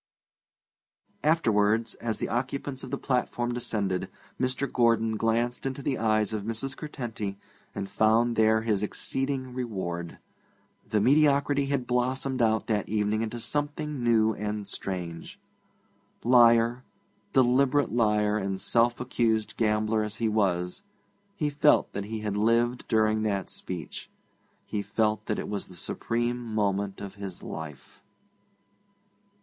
Afterwards, as the occupants of the platform descended, Mr. Gordon glanced into the eyes of Mrs. Curtenty, and found there his exceeding reward. The mediocrity had blossomed out that evening into something new and strange. Liar, deliberate liar and self accused gambler as he was, he felt that he had lived during that speech; he felt that it was the supreme moment of his life.